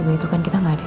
ya kecelakaan tante